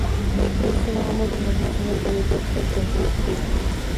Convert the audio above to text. روسي مامور د مجسمې په ليدو خپل تندی تريو کړ.